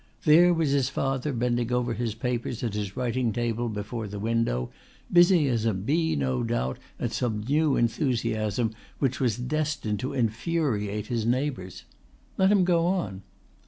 There was his father bending over his papers at his writing table before the window, busy as a bee no doubt at some new enthusiasm which was destined to infuriate his neighbours. Let him go on!